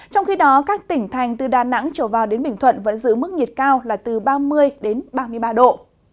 trong khi đó các tỉnh thành từ đà nẵng trở vào đến bình thuận vẫn giữ mức nhiệt cao là từ ba mươi ba mươi ba độ